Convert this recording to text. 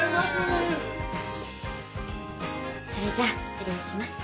それじゃあ失礼します。